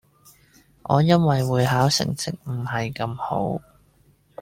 我因為會考成績唔係咁好